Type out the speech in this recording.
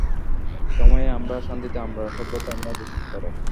সমরে আমরা, শান্তিতে আমরা, সর্বত্র আমরা দেশের তরে।